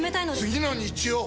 次の日曜！